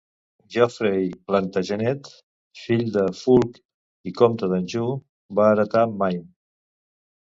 Geoffrey Plantagenet, fill de Fulk i Compte d'Anjou, va heretar Maine.